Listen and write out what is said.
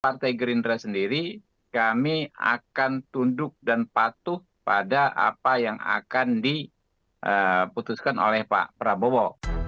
partai gerindra sendiri kami akan tunduk dan patuh pada apa yang akan diputuskan oleh pak prabowo